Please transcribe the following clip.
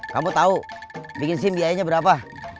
kamu tahu bikin sim biayanya berapa